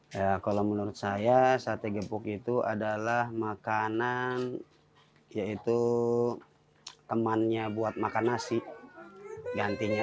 ya kalau menurut saya sate gepuk itu adalah makanan yaitu temannya buat makan nasi gantinya